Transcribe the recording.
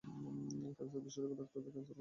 Cancer বিশেষজ্ঞ ডাক্তারদেরও cancer হয়।